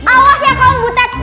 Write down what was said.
awas ya kau butet